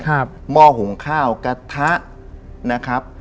หม้อหุงข้าวกระทะนะครับ